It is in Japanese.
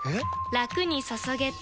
ラクに注げてペコ！